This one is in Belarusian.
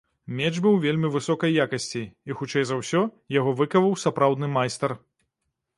Меч быў вельмі высокай якасці і, хутчэй за ўсё, яго выкаваў сапраўдны майстар.